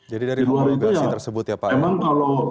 jadi dari homologasi tersebut ya pak